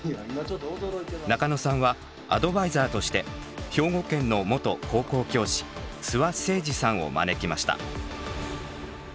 中野さんはアドバイザーとして兵庫県の元高校教師諏訪清二さんを招きました。